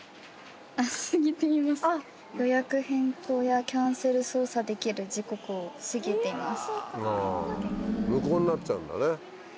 「予約変更やキャンセル操作できる時刻を過ぎています」。